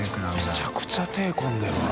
めちゃくちゃ手こんでるな。